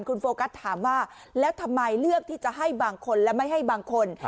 คุณโฟกัสถามว่าแล้วทำไมเลือกที่จะให้บางคนและไม่ให้บางคน